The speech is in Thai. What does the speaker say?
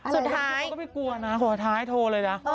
สุดท้ายก็ไม่กลัวนะขอท้าให้โทรเลยนะ